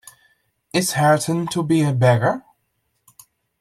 Is Hareton to be a beggar?